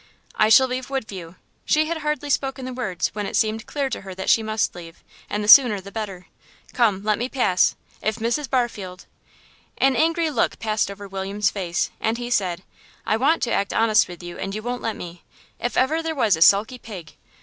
"I shall leave Woodview." She had hardly spoken the words when it seemed clear to her that she must leave, and the sooner the better. "Come, let me pass.... If Mrs. Barfield " An angry look passed over William's face, and he said "I want to act honest with you, and you won't let me. If ever there was a sulky pig!